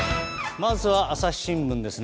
まずは朝日新聞です。